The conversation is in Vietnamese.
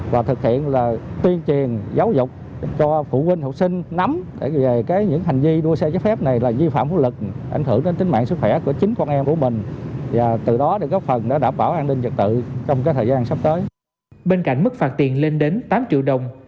bên cạnh mức phạt tiền lên đến tám triệu đồng